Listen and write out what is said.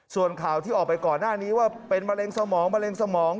ส่วนข่าวที่ออกไปก่อนหน้านี้ว่าเป็นมะเร็งสมองมะเร็งสมอง